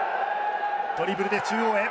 ドリブルで中央へ。